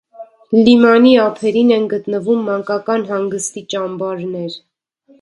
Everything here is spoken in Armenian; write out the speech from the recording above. Լիմանի ափերին են գտնվում մանկական հանգստի ճամբարներ։